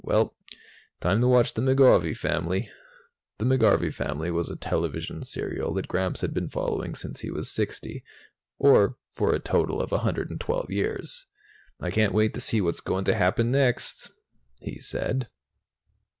"Well time to watch the McGarvey Family." The McGarvey Family was a television serial that Gramps had been following since he was 60, or for a total of 112 years. "I can't wait to see what's going to happen next," he said.